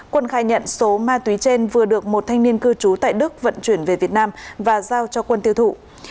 quân khai nhận số ma túy trên vừa được một thanh niên cư trú tại đức vận chuyển về việt nam và giao cho quân tiêu thụ